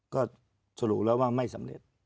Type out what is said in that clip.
ก็สรุปแล้วว่าไม่สำเร็จ